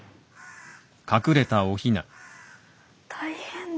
大変だ。